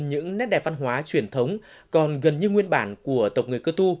những nét đẹp văn hóa truyền thống còn gần như nguyên bản của tộc người cơ tu